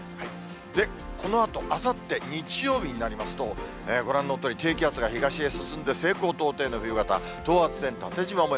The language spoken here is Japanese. このあと、あさって日曜日になりますと、ご覧のとおり、低気圧が東へ進んで、西高東低の冬型、等圧線縦じま模様。